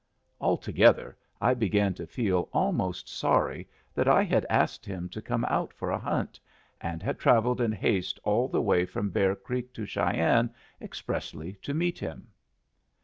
Altogether I began to feel almost sorry that I had asked him to come out for a hunt, and had travelled in haste all the way from Bear Creek to Cheyenne expressly to meet him.